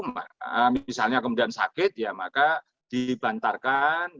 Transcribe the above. misalnya kemudian sakit ya maka dibantarkan